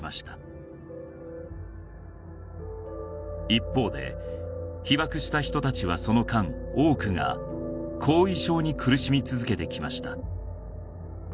一方で被爆した人たちはその間多くが後遺症に苦しみ続けてきました